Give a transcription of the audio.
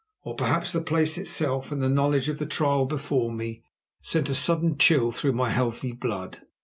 Or perhaps the place itself and the knowledge of the trial before me sent a sudden chill through my healthy blood.